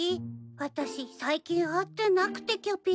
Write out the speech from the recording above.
私最近会ってなくてキュピー。